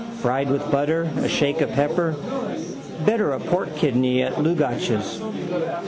Fried with butter, a shake of pepper. Better a pork kidney at Dlugacz's.